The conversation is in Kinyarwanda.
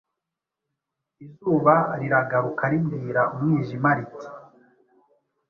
Izuba riragaruka ribwira umwijima riti: